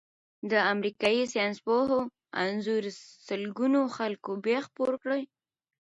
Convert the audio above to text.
د امریکايي ساینسپوه انځور سلګونو خلکو بیا خپور کړی.